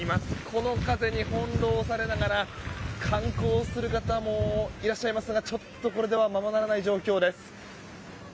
この風に翻ろうされながら観光する方もいらっしゃいますがちょっとこれではままならない状況です。